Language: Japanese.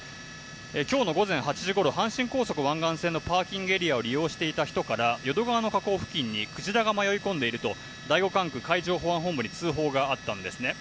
今日の午前８時ごろ阪神高速湾岸線のパーキングエリアを利用していた人から淀川河口付近にクジラが迷いこんでいると第５管区海上保安本部に通報があったんですね。